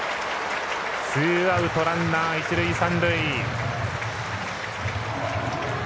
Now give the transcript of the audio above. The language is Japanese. ツーアウト、ランナー、一塁三塁。